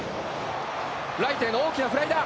ライトへの大きなフライだ。